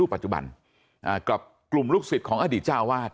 ปัจจุบันกับกลุ่มลูกศิษย์ของอดีตเจ้าวาด